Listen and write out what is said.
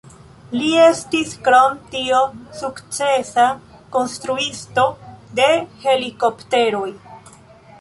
Li estis krom tio sukcesa konstruisto de helikopteroj.